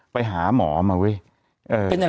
ไปหาหมอมาเว้ย